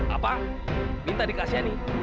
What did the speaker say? apa minta dikasih ini